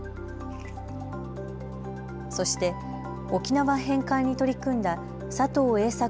そして沖縄返還に取り組んだ佐藤栄作